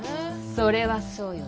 それはそうよね。